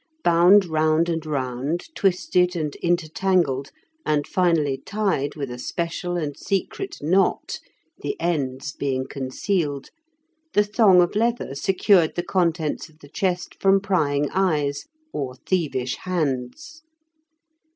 Bound round and round, twisted and intertangled, and finally tied with a special and secret knot (the ends being concealed), the thong of leather secured the contents of the chest from prying eyes or thievish hands.